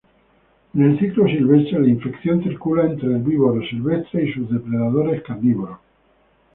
En el ciclo silvestre, la infección circula entre herbívoros silvestres y sus depredadores carnívoros.